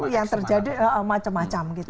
yang terjadi macam macam gitu